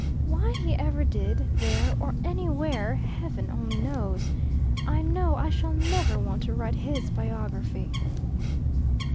Why he ever did there or anywhere Heaven only knows! I know I shall never want to write his biography.